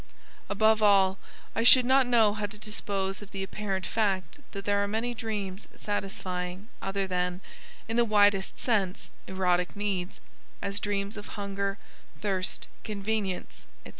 Above all I should not know how to dispose of the apparent fact that there are many dreams satisfying other than in the widest sense erotic needs, as dreams of hunger, thirst, convenience, &c.